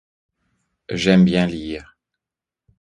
J'aime bien lire.